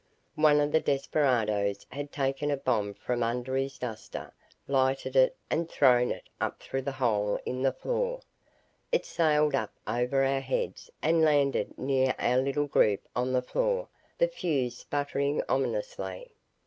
One of the desperadoes had taken a bomb from under his duster, lighted it, and thrown it up through the hole in the floor. It sailed up over our heads and landed near our little group on the floor, the fuse sputtering ominously.